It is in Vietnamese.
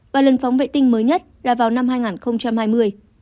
và lần phóng vệ tinh mới nhất là vào năm hai nghìn hai mươi